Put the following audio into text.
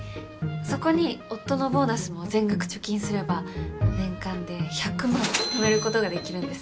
そこに夫のボーナスも全額貯金すれば年間で１００万ためることができるんです。